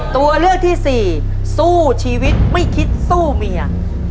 ตัวเลือกที่สี่สู้ชีวิตไม่คิดสู้เมีย